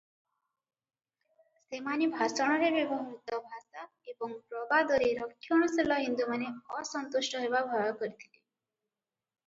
ସେମାନେ ଭାଷଣରେ ବ୍ୟବହୃତ ଭାଷା ଏବଂ ପ୍ରବାଦରେ ରକ୍ଷଣଶୀଳ ହିନ୍ଦୁମାନେ ଅସନ୍ତୁଷ୍ଟ ହେବା ଭୟ କରିଥିଲେ ।